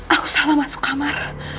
aku salah masuk kamar